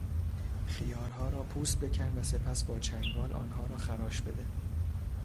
خیارها را پوست بکن و سپس با چنگال آنها را خراش بده.